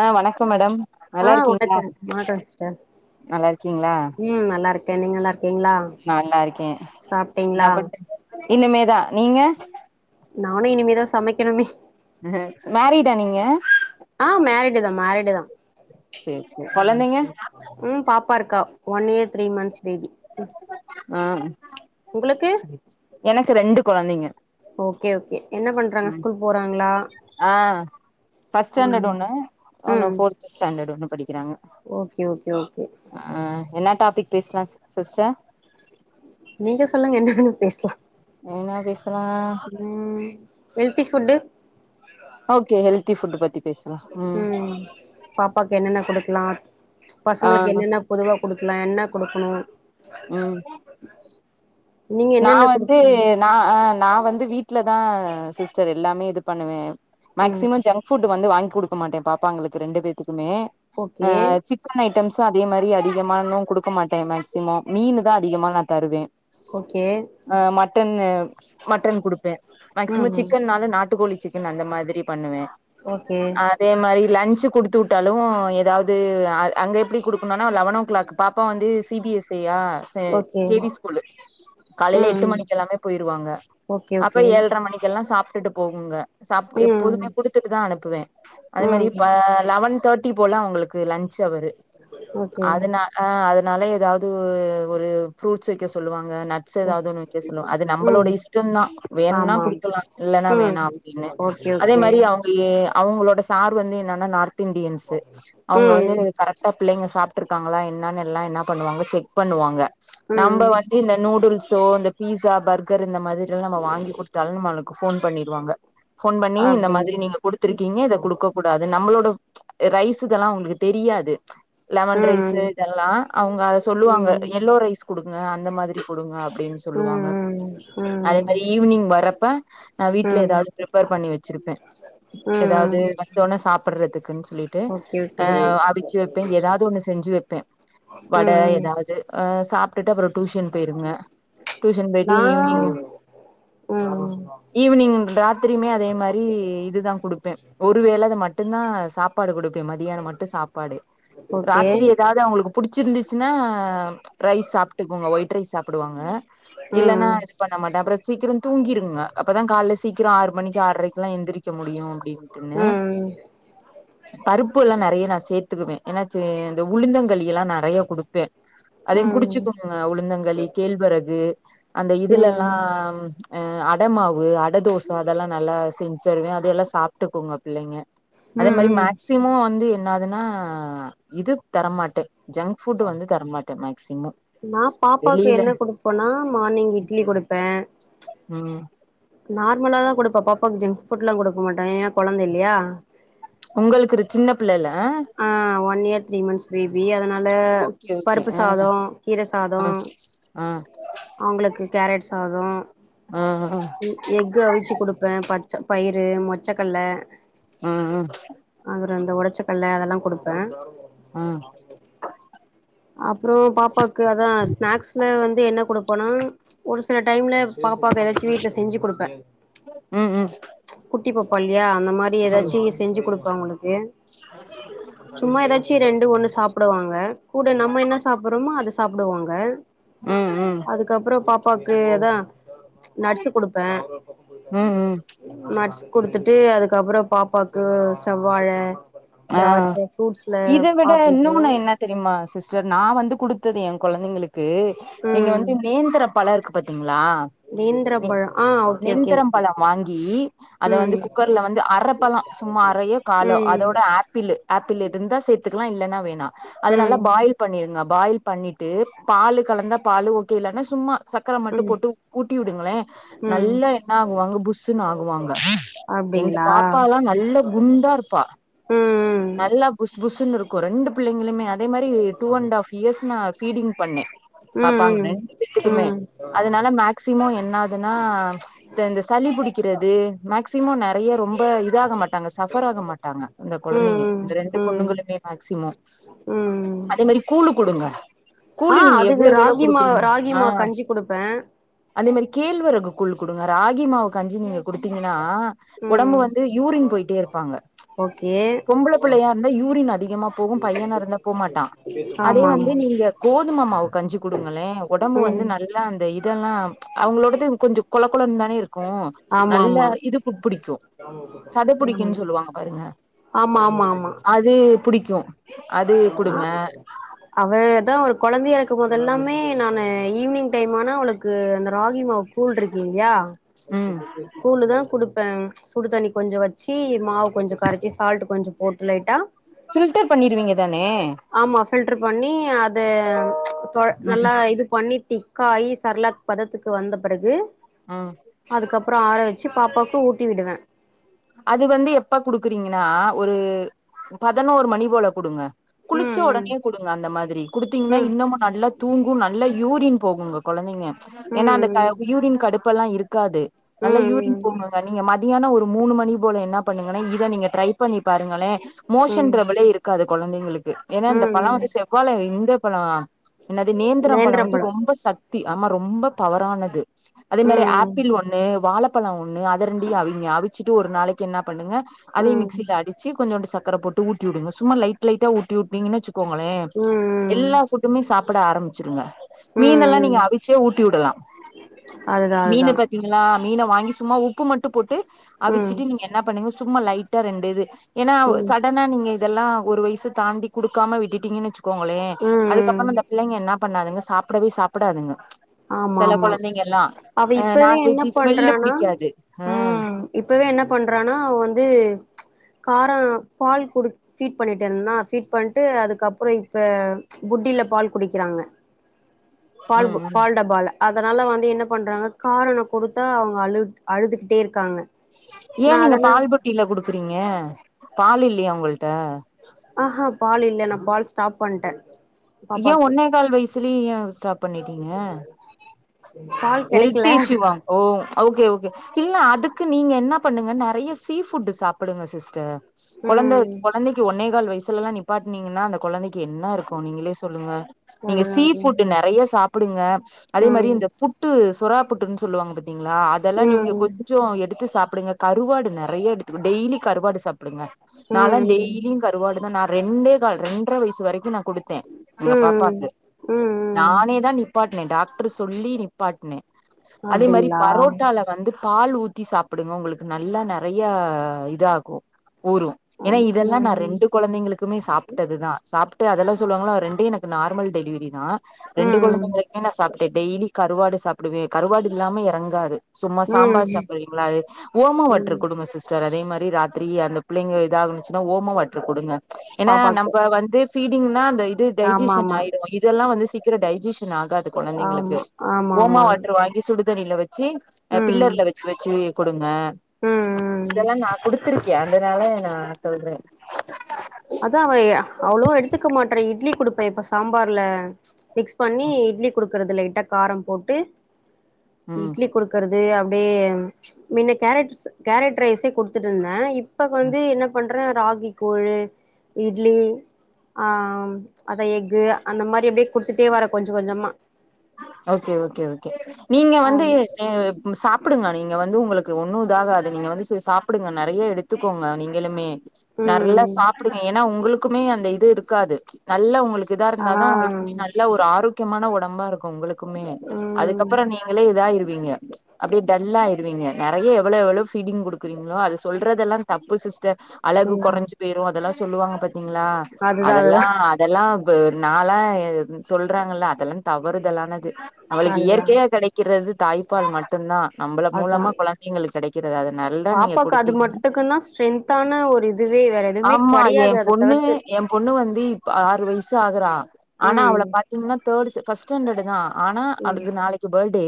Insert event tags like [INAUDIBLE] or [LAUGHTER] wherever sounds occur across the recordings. ஆ வணக்கம் மேடம் ஆ நல்லாருக்கீங்களா வணக்கம் வணக்கம் சிஸ்டர் நல்லா இருக்கீங்களா ம் நல்லா இருக் தே நீங்க நல்லா ருக்கீங்களா நல்லாருக்கே நவுட் இனிமேதா நீங்க நானு இனிமேதா சமைக்கணு மிஸ் மேரிடா நீங்க ஆ மேரிடு தா மேரிடுதா சேரி சேரி கொழந்தைங்க ம் பாப்பாருக்கா one year three months baby ம் ஆ உங்களுக்கு செரி செரி எனக்கு ரெண்டு கொழந்தைங்க ஓகே ஓகே என்ன பண்றாங்க ம் ஸ்கூல் போறாங்களா ஆ ஃபர்ஸ்ட் ஸ்டாண்டடு ம் ஒண்ணு ஒண்ணு ம் ஃபோர்த் ஸ்டாண்டடு ஒண்ணு படிக்கிறாங்க ஓகே ஓகே ஓகே ஆ என்ன டாப்பிக் பேசலா சிஸ் சிஸ்டர் நீங்க சொல்லுங்க என்னன்னு பேசலா என்னா பேசலாம் ம் healthy food okay healthy food பத்தி பேசலா ம் பாப்பாக்கு என்னென்ன கொடுக்கலாம் ஆ பசங்களுக்கு என்னென்ன பொதுவா கொடுக்கலா என்ன கொடுக்கணு ம் நீங்க நா என்னென்ன வந்து குடுப்பீங்க நா ஆ நா வந்து வீட்லதா சிஸ்டர் எல்லாமே இது பண்ணுவே ம் மேக்சிமம் ஜங்க் ஃபுட் வந்து வாங்கி கொடுக்க மாட்டே பாப்பாங்களுக்கு ரெண்டு பேத்துக்குமே ஆ ஓகே சிக்கன் ஐட்டம்ஸும் அதே மாரி அதிகமானும் கொடுக்க மாட்டே மேக்சிமம் மீன் தான் அதிகமா நா தருவே ஓகே ஆ மட்டன்னு மட்டன் குடுப்பே ம் மேக்சிமம் ம் சிக்கன்னால நாட்டுக்கோழி சிக் கன் அந்த மாதிரி பண்ணுவே ஓகே ஆத் அதே மாரி லன்ச் குடுத்து வுட்டாலு ஏதாவது அ அங்க எப்டி குடுக்கணும்னா லெவன் ஓ கிளாக்குக் பாப்பா வந்து சி பி எஸ்ஐயா சே ஓகே கே வி ம் ஸ்கூலு காலையில எட்டு ம் மணிக்கெல்லாமே போயிருவாங்க ஓகே அப்ப ஓகே ஏழ்ர மணிக்கு எல்லா சாப்ட்டுட்டு போகுங்க சாப் ம் எப்போதுமே குடுத் துட்டு தா அனுப்புவே அதே மாரி ம் பா லெவன் தெர்ட்டி போல அவங்களுக்கு லன்ச் அவரு ஓகே அதனா ஆ அதனால ஏதாவது ஒரு ஃப்ரூட்ஸ் வைக்க சொல்லுவாங்க நட் ஸ்ஸு ஏதாவது ஒண்ணு வைக்க சொல்லுவ அது ம் நம்பளோட இஷ்டோ தா வேணுனா ஆமாம் குடுக்கலா இல்லன்ன ம் வேணாப் டின்னு ஓகே அதே ஓகே மாரி அவங் பய்யே அவங்களோட சார் வந்து என்னன்னா நார்த் இண்டியன்ஸ்ஸு அவங்க வந்து ம் கரெக் ட்டா பிள்ளைங்க சாப்பிட்ருக்காங்களா என்னன்னு எல்லா என்ன பண்ணுவாங்க செக் பண்ணுவாங்க நம்ம ம் வந்து இந்த நூடுல்சோ இந்த பீஸா பர்கர் இந்த மாரி இதெல்ல நம்ம வாங்கி குடுத்தாலு நம்மளுக்கு ஃபோன் பண்ணிடுவாங்க ஃபோன் பண்ணி இந்த அப்டிங் மாதிரி நீங்க குடுத்துருக்கீங்க இத குடுக்கக் கூடாது நம்மளோட ம்ச் ரைஸ் இதெல்லா அவங்களுக்கு தெரியாது லெமன் ம் ரைஸ்ஸு இதெல்லா அவங்க அத சொல்லுவாங்க ம் எல்லோ ரைஸ் குடுங்க அந்த மாதிரி கொடுங்க அப் படின் சொல்லுவாங்க ம் ம் அதே மாரி ஈவினிங் வர்ப்ப நா வீட்ல ஏதாவது பிரிப்பர் பண்ணி வச்சிருப்பே ம்ம் தொண்ண சாப்பிடறதுக்குன்ஸ் சொல்லிட்டு அ ஓகே அவிச்சு வைப்பே ஏதாவது ஒண்ணு செஞ்சு வைப்பே வட ம் ஏதாவது ஆ சாப்ட்டுட்டு அப்புறோ டியூஷன் போயிருங்க டியூஷன் போயிட்டு நா ஈவினிங் ம் ஈவினிங் ட்ராத்திரியுமே அதே மாரி இதுதா குடுப்பே ஒருவேள அது மட்டுந்தா சாப்பாடு குடுப் பே மதியானோ மட்டு சாப்பாடு ஓகே ராத்திரி ஏதாவது அவங்களுக்குப் பிடிச்சிருந்துச்சின்னா ம்ச் ரைஸ் சாப்ட்டுக்குங்க ஒயிட் ரைஸ் சாப்பிடுவாங்க இல்லன்னா ம் இது பண்ண மாட்டே அப்புறோ சீக்கிரோ தூங்கிருங்க அப்பதா கால்ல சீக்கிரோ ஆறு மணிக்கு ஆறைக்லா எந்திரி க்க முடியு அப்டின்ட்டுன்னு ம் பருப்பு எல்லா நெறைய நா சேத்துக்குவே ஏனாச்சே இந்த உளுந்தங்களி எல்லா நெறைய குடுப்பே அதையு ம் குடிச்சுக்கோங்க உளுந்தங்களி கேழ்வரகு அந்த இதுல எல்லா ம் ம்ச் அ அட மாவு அட தோச அதெல்லா நல்லா செஞ்சு தருவே அதெல்லா சாப்பிட்டுக்கோங்க பிள்ளைங்க அதே ம் மாரி ம் மேக்சிமோ வந்து என்னதுன்னா இது தரமாட்டே ஜங் ஃபுட் வந்து தரமாட்டே மேக்சிமோ வெளியில போனா மார்னிங் இட்லி குடுப்பே ம் நார்மலா தா கொடுப்பா பாப்பாவுக்கு ஜங்க் ஃபுட்லா குடுக்க மாட்டோ ஏன்னா குழந்த இல்லையா உங்களுக்கு ஒரு சின்ன பிள்ளைல ஆ one year three month baby அதனால ஓகே ம்ச் ஓகே பருப்பு ஆ சாதோ கீர சாதோ ஆ ஆ அவங்களுக்கு கேரட் சாதோ ஆ அஹ எக்கு அவிச்சு குடுப்பே பச்ச பயிறு மொச்சக்கல ம் ம் அவரு அந்த ஒடச்சக்கல்ல அதெல்லா குடுப்பே ம் அப்பறோ பாப்பாக்கு அதா ஸ்நாக்ஸ்ல வந்து என்ன குடுப்போனா ஒரு சில டைம்ல பாப்பாக்கு ஏதாச்சு வீட்ல செஞ்சு குடுப்பே ம் ம் குட்டிப்பாப்பாயில்லையா அந்த மாரி ம் ஏதாச்சி ஸ் செஞ்சு குடுப்ப அவுங்களுக்கு சும்மா ஏதாச்சி ரெண்டு ஒண்ணு சாப்டுவாங்க கூட நம்ம என்ன சாப்றோமோ அத சாப்டுவாங்க ம் ம் அதுக்கப்பறோ பாப்பாக்கு எதா நட்ஸ் குடுப்பே ம் ம் நட்ஸ் குடுத்துட்டு அதுக்கப்பறோ பாப்பாக்கு செவ்வாழ ஆ திராட்சை ஃப்ரூட்ஸ்ல இத விட ஆப்பிள் பழோ இன்னொன்னு என்ன தெரியுமா சிஸ்டர் நா வந்து குடுத்தது என் கொழந்தைங்களுக்கு நீங்க ம் வந்து நேந்திர பழ இருக்கு பாத்தீங்களா நேந்திரம் நே பழோ ஆ ஓகே ஓகே நேந்திர பழ வாங்கி அத வந்து ம் குக்கர்ல வந்து அரப்பழோ சும்மா அரையோ காலோ ம் அதோட, ஆப்பிளு ஆப்பிள் இருந்தா சேத்துக்கலா இல்லனா வேணாம். அத நல்லா ம் பாயில் பண்ணிருங்க பாயில் பண்ணிட்டு பாலு கலந்த பாலு ஓகே இல்லனா சும்மா சக்கர மட்டு ம் போட்டு ஊட்டி விடுங்களே ம் நல்லா என்ன ஆகுவாங்க புஸ்ஸுனு ஆகுவாங்க எங்க அப்டிங்களா பாப்பாலா நல்ல குண்டா ருப்பா ம் ம் நல்லா புஸ் புஸ்ஸுன்னு இருக்கு ரெண்டு பிள்ளைகளுமே அதே மாரி டூ அண்ட் ஹாஃப் இயர்ஸ் நா ஃபீடிங் பண்ணே ம் பாப்பாங்க ம் ரெண்டுத்துக்குமே ம் அதனால மேக் ஸிமோ என்னாதுனா த இந்த சளி பிடிக்கிறது மேக்ஸிமோ நெறைய ரொம்ப இ தா ஆக மாட்டாங்க சஃபர் ஆக மாட்டாங்க இந்த கொழந்தைங்க ம் இந்த ரெண்டு ம் பொண்ணுங்களுமே மேக்ஸிமோ ம் அதே மாரி கூலு குடுங்க ஆ கூலு நீங்க அதுக்கு எவ்ளோக்கு எவ்ளோ ராகி மாவு குடுக்குறீங்களோ ராகி மாவு ஆஹ் கஞ்சி குடுப்பே அதே மாரி கேழ்வரகு கூல் குடுங்க ராகி மாவு கஞ்சி நீங்க குடுத்தீங்கனா ஒடம்பு ம் வந்து, யூரின் போயிட்டே இருப்பாங்க ஓகே பொம்பள புள்ளயா ருந்தா யூரின் அதிகமா போகு பையனா இருந்தா போமாட்டா அதே ஆமா வந்து ஆமா நீங்க கோதும மாவு கஞ்சி குடுங்களே உடம்பு வந்து ம் நல் ல அந்த இதெல்லா அவுங்களோடது கொஞ்சோ கொல கொலன்னு தான இருக் கு ஆமா நல்ல ஆமா இதுப்பு புடிக்கும். சத ம் புடிக்குன்னு சொல்லுவாங்க பாருங்க ஆமா ஆமா ஆமா அது புடிக்கு அது ஆ குடுங்க அவ தா ஒரு கொழந்தையா இருக்குபோதெல்லாமே நானு ஈவினிங் டைம் ஆனா, அவளுக்கு அந்த ராகி மாவு, கூல் இருக்கீங்யா ம் கூலு தா குடுப்பே. சுடு தண்ணி கொஞ்சோ வச்சு, மாவு கொஞ்சோ கரச்சி, சால்ட் கொஞ்சோ போட்டு லைட்டா ஃபில்டர் பண்ணிருவீங்க தானே ஆமா ஃபில்டர் பண்ணி, அது தொல ம் நல்லா இது, பண்ணி திக்காயி, செர்லாக் பதத்துக்கு வந்த பெறகு, ஆஹ் அதுக்கப்றோ ஆற வச்சு பாப்பாவுக்கு ஊட்டி விடுவே அது வந்து எப்ப குடுக்குறீங்கனா ஒரு பதனோரு மணி போல குடுங்க குளிச்ச ம் ஒடனே குடுங்க அந்த மாதிரி குடுத்தீங்கனா ம் இன்னமு நல்லா தூங்கு நல்லா யூரின் போகுங்க கொழந்தைங்க ஏனா அந்த க ம் யூரின் கடுப் இப்பெல்லா இருக்காது ம் நல்லா ம் யூரின் போவுனுங்க நீங்க மதியானோ ஒரு மூணு மணி போல என்னா பண்ணுங்கனா இத நீங்க ட்ரை பண்ணி பாருங்களேன் ம் மோஷன் ம் ட்ரபுளே இருக் காது கொழந்தைங்களுக்கு ஏனா இந்த ம் பழ ம் வந்து செவ்வால இந்த பழோ என்னது நேந்திரோ பழ வந்து நேந்திரம்பழோ ரொம்ப சக்தி ஆமா ரொம்ப பவரானது அதே மாரி ம் ஆப்பிள் ஒண்ணு வாழப்பழோ ஒண்ணு அத ரெண்டையு அவிங்க அவிச்சிட்டு ஒரு நாளைக்கு என்னா பண்ணுங்க அதே ம் மிக்சில அடிச்சி கொஞ்சோண்டு சக்கர போட்டு ஊட்டி வுடுங்க சும்மா லைட் லைட்டா ஊட்டி வுட்டீங்கனா வச்சு கோங்களே ம் ம் எல்லா ஃபுட்டுமே சாப்ட ஆரம்பிச்சிருங்க ம் மீனெல்லா நீங்க ம் அவிச்சே ஊட்டி வுடலா அதுதா மீன அதுதா பத் திங்கலா மீன வாங்கி சும்மா உப்பு மட்டு போட்டு ம் அவிச்சிட்டு நீங்க என்ன பண்ணுங்க சும்மா லைட்டா ரெண்டு இது ஏனா ஒ ம் சடனா நீங்க இதெல்லா ஒரு வயசு தாண்டி குடுக்காம விட்டுட்டீங்கன் வச்சுக்கோங்களே ம் ம் அதுக்கப்ற அந்த பிள்ளைங்க என்னா பண்ணாதுங்க சாப்டவே சாப்டாதுங்க ஆமா ஆமா அவ இப்பவே என்ன நான்வெஜ்ஜு ஸ்மெல்லு பண்றானா புடிக்காது ஆ ம் இப்பவே என்ன பண்றானா அவ வந்து காரோ பால் குடு ஃபீட் பண்ணிட் இருந்னா ஃபீட் பண்ட்டு அதுக்கப்றோ இப்ப புட்டில பால் குடிக்கிறாங்க. ஹ! பால் பு டபால அதனால வந்து என்ன பண்றாங்க காரணோ குடுத்தா அவுங்க அழுத் அழுதுகிட்டே இருக்காங்க ஏ நா நீங்க அதனா பால் புட்டில குடுக்குறீங்க பால் இல்லையா உங்கள்ட்ட ஆஹா பால் இல்ல நா பால் ஸ்டாப் பண்ட்ட ஏ ஒன்னே கால் வயசிலியே ஏ ஸ்டாப் பண்ணிட்டீங்க பால் கெடைக்கல ஹெல்த் இஷ்யூ வா அதுக்கு ஒ ஓகே ஓகே இல்ல அதுக்கு நீங்க என்ன பண்ணுங்க நெறைய சீ ஃபுட்டு சாப்புடுங்க சிஸ்டர் கொழந்த ம் கொழந்தைக்கு ஒன்னே கால் வயசுலலா நிப்பாட்னீங்கன்னா அந்த கொழந்தைக் கே என்ன இருக்கு நீங்களே சொல்லுங்க நீங்க அதுதா சீ அதுதா ஃபுட்டு நெறைய சாப்புடுங்க அதே மாரி ம் இந்த புட்டு சொறா புட்டுன் சொல்லுவாங்க பாத்தீங்களா அதெல்லா நீங்க ம் கொஞ் சோ எடுத்து சாப்டுங்க கருவாடு நெறைய எடுத்து டெய்லி கருவாடு சாப்டுங்க நாலா ம் ம் டெய்லியு கருவாடு தா நா ரெண்டே கால் ரெண்ட்ர வயசு வரைக்கு நா குடுத்தே ம் எங்க ம் பாப்பாக்கு ம் ம் நானே தா நிப்பாட்னே டாக்ட்ரு சொல்லி நிப்பாட்னே அதே மாரி அப்டிங்களா பரோட்டால வந்து பால் ஊத்தி சாப்டுங்க உங்களுக்கு நல்ல நெறையா இதாகு ஊரு ஏனா ம் இதெல்லா நா ம் ரெண்டு கொழந்தைங்களுக்குமே சாப்ட்டது தா சாப்ட்டு அதெல்லா சொல்லுவாங்களா ரெண்டையு எனக்கு நார்மல் டெலிவிரி தா ரெண்டு ம் கொழந்தைகளுக்மே நா சாப்ட்ட டெய்லி கருவாடு சாப்டுவே கருவாடு இல்லாம எறங்காது சும்மா ம் சாம்பார் சாப்டுவிங்களா அது ஓமா வாட்டரு ம் குடுங்க சிஸ்டர் அதே மாரி ராத்திரி அந்த பிள்ளைங்க இதாகுன்சுனா ஓமா வாட்ரு குடுங்க ஏனா பாப்பாக்கு நம்ப வந்து பீடிங்னா அந்த இது ஆமா டைஜிஷின் ஆமா ஆயிடு இதெல்லா வந்து சீக்கிரோ டைஜிஷின் ஆகாது கொழந்தைங்களுக்கு ஆமா ஆமா ஓமா ஆமா வாட்ரு ம் வாங்கி சுடு தண்ணில வச்சி அ ம் பில்லர்ல வச்சி வச்சி குடுங்க ம் இதெல்லா நா குடுத்திருக்கே அந்தனால நா சொல்ற அதா வை அவ்ளோ எடுத்துக்க மாட்ர இட்லி குடுப்பே இப்ப சாம்பார்ல மிக்ஸ் பண்ணி ம் இட்லி குடுக்கறது லைட்டா காரம் போட்டு இட்லி ம் குடுக்கறது அப்டியே மின்ன கேரட்ஸ் கேரட் ரைஸே குடுத்துட்டுருந்தே இப் இப்ப வந்து என்ன பண்ற ராகி கூழு இட்லி ஆ ம் அதா எஃக்கு அந்த மாரி அப்டியே குடுத்துட்டே வர கொஞ்ச கொஞ்சமா ஓகே ஓகே ஓகே நீங்க ஆ வந்து ஏ சாப்டுங்க நீங்க வந்து உங்களுக்கு ஒண்ணு இதாகாது நீங்க வந்து செர் சாப்டுங்க நெறைய எடுத் த்துக்கோங்க நீங்களுமே நல்லா ம் சாப்டுங்க ஏனா உங்களுக்குமே அந்த இது இருக்காது நல்ல உங்களுக்கு இதா இருந்தா ஆனா தா உங்களுக்குமே நல்ல ஒரு ஆரோக்கியமான ஒடம்பா இருக் உங்களுக்குமே ம் அதுக்கப்றோ நீங்களே இதாயிருவீங்க அப்டியே டல்லாயிடுவீங்க நெறைய எவளோ எவளோ ஃபீடிங் குடு க்குறிங்ளோ அது சொல்றதெல்லா தப்பு சிஸ்டர் அழகு ம் கொறஞ்சி போயிரு அதெல்லா சொல்லுவாங்க பாத்தீங்களா அதுதா அதெல்லா அதுதா அதெல்லா ப நாளா சொல்றாங்கல்ல அதெல்லா தவ் வருதலானது அவளுக்கு அதுதா இயற்கையா கெடைக்கிறது தாய்ப்பால் மட்டுந்தா நம்பள அதா மூலமா கொழந் பாப்பாக்கு அது மட்டுக்குனா ஸ்ட்ரென்தான ஒரு இதுவே வேற எதுமே ஆமா எ கெடையாது அத் அத பொண்ணு தவிர்த்து எ பொண்ணு வந்து இப்ப ஆறு வயசு ஆகறா ஆனா அவள ம் பாத்தீங்னா தேடு் ச ஃபஸ் டண்டுதா ஆனா ம் அவளுக்கு நாளைக்கு பாடே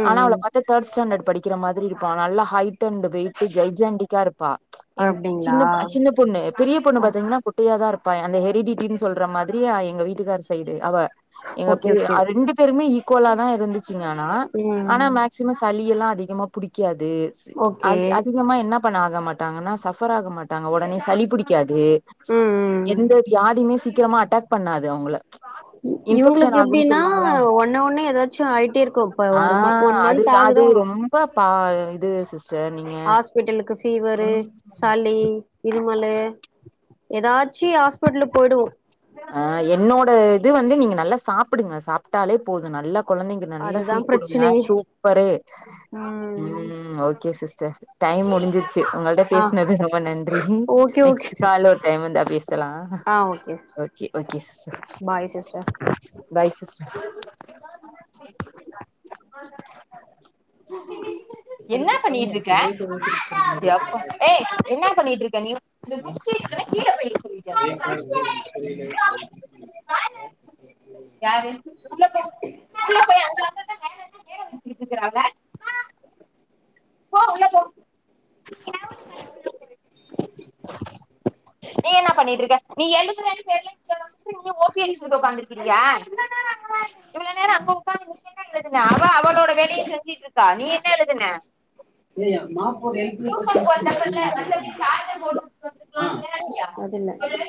ம் ஆனா அவள ம் பாத் து தேட் ஸ்டாண்டர்ட் படிக்கிற மாதிரி இருப்பா நல்ல ஹைட் அண்ட் வெயிட்டு ஜைஜெண்டிக்கா இருப்பா ஏன் அப்டிங்களா சின்ன சின்ன பொண்ணு பெரிய பொண்ணு ஆ பாத்தீங்கனா குட்டையாதா இருப்பா அந்த ஹெரிடிட்டின் சொல்ற மாதிரி அ எங்க வீட்டுக்கார் சைடு அவ ஓகே து ஓகே அ ரெண்டு பேருமே ஈக்குவலா தா இருந்துச்சிங்க ஆனா ஆனா ம் மேக் சிம சளி எல்லா அதிகமா புடிக்காது ஸ் ஓகே அது அதி திகமா என்ன பண்ண ஆக மாட்டாங்கனா சஃபர் ஆக மாட்டாங்க ஒடனே சளி புடிக் கியாது ம் ம் எந்த வியாதியுமே சீக்கிரமா அட்டாக் பண்ணாது அவுங்கள இ இவுங்ளுக் எப்டின்னா ஒண்ணு ஒண்ணே ஏதாச்சு ஆயிட்டே இருக்கு இப்ப ஆ ஒரு ம ஒன் அது மந்த் அது ஆகுதா ரொம்ப பா இது சிஸ் ஹாஸ்பிட்டலுக்கு ஃபீவரு சளி இருமலு எதாச்சி ஹாஸ்பிட்டலு போய்டுவோ ஆ என்னோட இது வந்து நீங்க நல்லா சாப்புடுங்க சாப்டாலே போது நல்லா கொழந்தைங்க நல்லா அதுதா ஃபீட் குடுங்க பிரச்சனையே சூப்பரு ம் ஓகே சிஸ்டர் டைம் முடிஞ்சிருச்சி உங்ககிட்ட ஆ பேஸ்னது ரொம்ப நன்றி okay okay next sister call ஒரு டைம் இருந்தா பேசலா ஆ sister okay okay sister bye sister bye sister என்னா பண்ணிட்டு இருக்க ஏய் என்னா பண்ணிட்டு இருக்க நீ மட்டு அந்த புக்கு இருக்குல கீழ வை அதே கால முருகன் கோயிலு யாரு உள்ள போ உள்ள [UNINTELLIGIBLE] போ உள்ள போ நீ என்ன பண்ணிட்டு இருக்க நீ எழுதுவேனு [UNINTELLIGIBLE] நீ ஓபி அடிச்சுட்டு வந்து உக்காந்துருக்கியா இவ்ளோ நேரோ அங்க உக்காந்து என்ன எழுதுன அவ அவளோட வேலைய செஞ்சிட்டு இருக்கா நீ என்ன எழுதுன இல்லையா டியூஷனுக்கு வந்தப்பல்ல வந்தப்ப [UNINTELLIGIBLE] சார்ஜர் போட்டு வந்துருக்கலாம்ல இல்லையா அது இல்ல சொல்லு